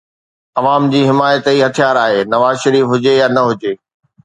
عوام جي حمايت ئي هٿيار آهي، نواز شريف هجي يا نه هجي